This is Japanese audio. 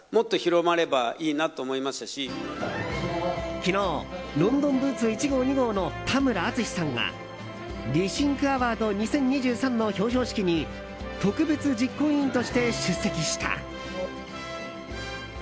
昨日ロンドンブーツ１号２号の田村淳さんがＲｅｔｈｉｎｋアワード２０２３の表彰式に特別実行委員として出席した。